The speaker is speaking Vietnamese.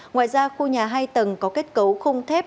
ngoài ra khu nhà hai tầng có kết cấu khung thép